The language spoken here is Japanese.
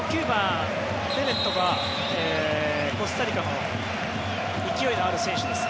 ベネットはコスタリカの勢いのある選手です。